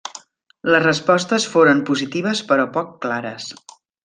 Les respostes foren positives però poc clares.